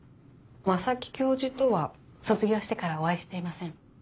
正木教授とは卒業してからお会いしていません。